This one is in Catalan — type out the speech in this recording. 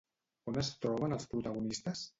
On es troben els protagonistes?